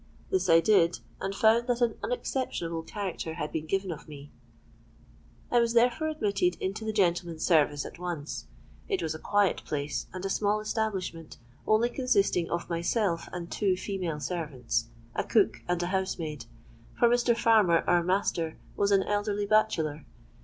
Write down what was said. This I did, and found that an unexceptionable character had been given of me. I was therefore admitted into the gentleman's service at once. It was a quiet place, and a small establishment, only consisting of myself and two female servants—a cook and housemaid; for Mr. Farmer, our master, was an elderly bachelor.